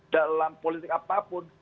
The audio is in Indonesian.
dalam politik apapun